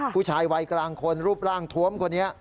ผู้ชายวัยกลางคนรูปร่างทวมคนนี้